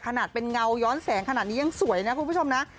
ขนาดเป็นเงาย้อนแสงขนาดนี้ยังสวยนะคุณผู้ชมนะ